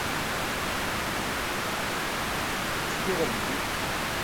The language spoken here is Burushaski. iski ġarum ẓu.